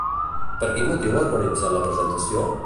Per quin motiu han organitzat la presentació?